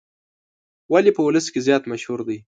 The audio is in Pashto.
ولې په ولس کې زیات مشهور دی.